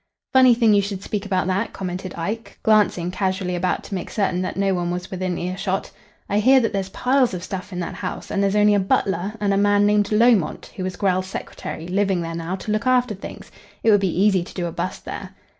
"Funny thing you should speak about that," commented Ike, glancing casually about to make certain that no one was within earshot. "I hear that there's piles of stuff in that house, and there's only a butler and a man named Lomont, who was Grell's secretary, living there now to look after things. It would be easy to do a bust there."